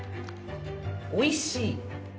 「おいしい」。